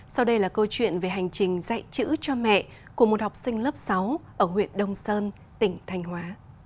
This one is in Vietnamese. sau đây là câu chuyện về hành trình dạy chữ cho mẹ của một học sinh lớp sáu ở huyện đông sơn tỉnh thanh hóa